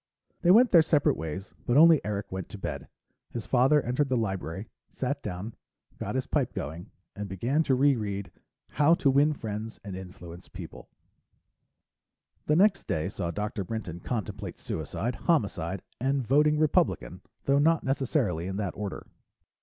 They went their separate ways, but only Eric went to bed. His father entered the library, sat down, got his pipe going, and began to reread How to Win Friends and Influence People. The next day saw Dr. Brinton contemplate suicide, homicide, and voting Republican, though not necessarily in that order.